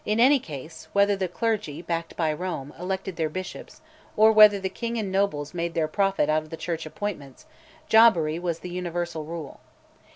In any case, whether the clergy, backed by Rome, elected their bishops, or whether the king and nobles made their profit out of the Church appointments, jobbery was the universal rule.